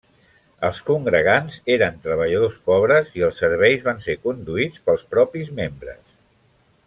Els congregants eren treballadors pobres, i els serveis van ser conduïts pels propis membres.